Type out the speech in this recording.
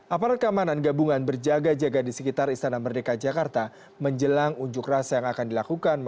aparat keamanan gabungan berjaga jaga di sekitar istana merdeka jakarta menjelang unjuk rasa yang akan dilakukan